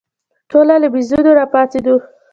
ټوله له مېزونو راپاڅېدو.